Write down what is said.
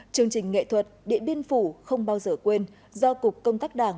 chương trình nghệ thuật điện biên phủ không bao giờ quên do cục công tác đảng